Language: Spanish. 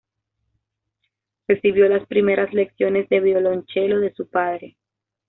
Recibió las primeras lecciones de violonchelo de su padre.